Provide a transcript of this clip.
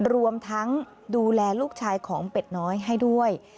รวมทั้งดูแลลูกชายของเป็ดน้อยให้ด้วย